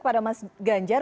kepada mas ganjar